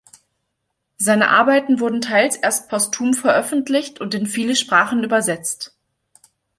Seine Arbeiten wurden teils erst postum veröffentlicht und in viele Sprachen übersetzt.